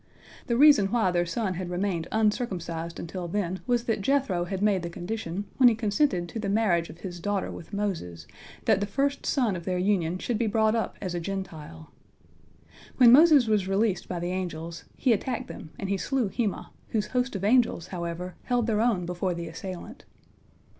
The reason why their son had remained uncircumcised until then was that Jethro had made the condition, when he consented to the marriage of his daughter with Moses, that the first son of their union should be brought up as a Gentile. When Moses was released by the angels, he attacked them, and he slew Hemah, whose host of angels, however, held their own before the assailant.